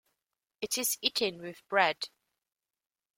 It is eaten with bread.